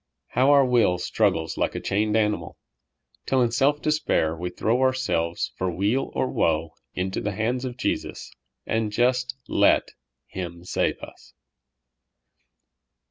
how our will struggles like a chained animal, till in self despair we throw ourselves for weal or woe into the hands of Jesus, and just let Him save us